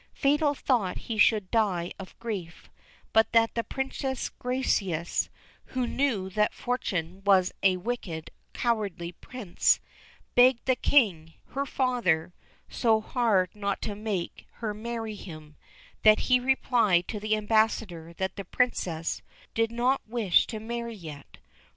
Fatal thought he should die of grief; but the Princess Gracieuse, who knew that Fortuné was a wicked, cowardly Prince, begged the King, her father, so hard not to make her marry him, that he replied to the ambassador that the Princess did not wish to marry yet.